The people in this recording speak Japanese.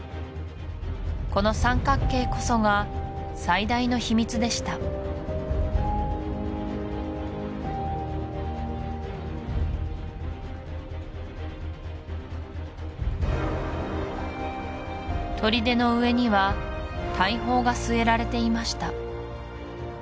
この三角形こそが最大の秘密でした砦の上には大砲が据えられていました